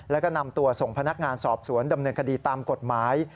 แล้วก็นำตัวส่งพนักงานสอบสวนดำเนินคดีตามกฎหมาย